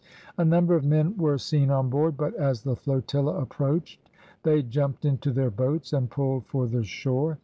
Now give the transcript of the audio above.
A number of men were seen on board, but, as the flotilla approached, they jumped into their boats and pulled for the shore.